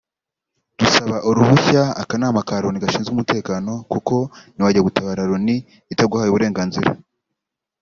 dusaba uruhushya Akanama ka Loni gashinzwe umutekano kuko ntiwajya gutabara Loni itaguhaye uburenganzira